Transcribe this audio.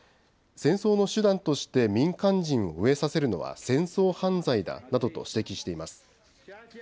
戦争の手段として民間人を飢えさせるのは戦争犯罪だなどと指摘しています。